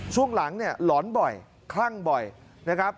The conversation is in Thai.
ช่วงหลังเนี่ยหลอนบ่อยคลั่งบ่อยนะครับ